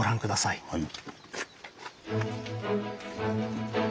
はい。